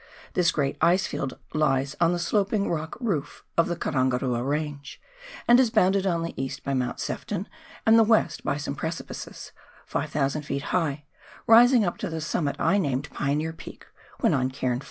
This great ice field lies on the sloping rock " roof " of the Karangarua Range, and is bounded on the east by Mount Sefton and the west by some precipices 500 ft. high, rising up to the summit I named Pioneer Peak when on Cairn TV.